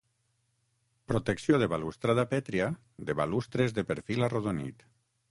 Protecció de balustrada pètria de balustres de perfil arrodonit.